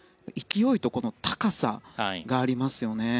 勢いと高さがありますよね。